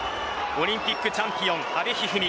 オリンピックチャンピオン阿部一二三